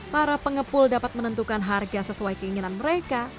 para pengepul dapat menentukan harga sesuai keinginan mereka